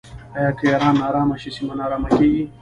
آیا که ایران ناارامه شي سیمه ناارامه نه کیږي؟